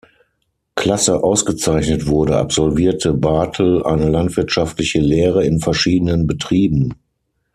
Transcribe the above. Klasse ausgezeichnet wurde, absolvierte Barthel eine landwirtschaftliche Lehre in verschiedenen Betrieben.